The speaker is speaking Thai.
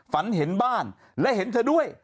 ฝันเห็นบ้านและเห็นเธอด้วย